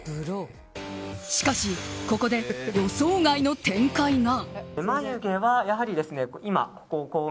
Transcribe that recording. しかし、ここで予想外の展開が。